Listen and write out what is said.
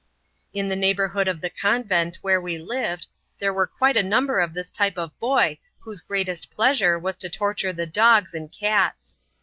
In the neighborhood of "The Convent" where we lived, there were quite a number of this type of boy whose greatest pleasure was to torture the dogs and cats.